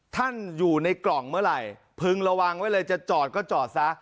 ท่านอยู่ในกล่องเมื่อไหร่พึงระวังไว้เลยจะจอดก็จอดซะ